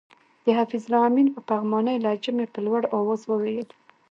د حفیظ الله آمین په پغمانۍ لهجه مې په لوړ اواز وویل.